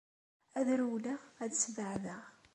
Ad rewleɣ, ad sbeɛdeɣ.